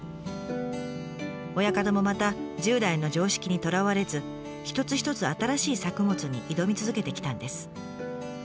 親方もまた従来の常識にとらわれず一つ一つ新しい作物に挑み続けてきたんです。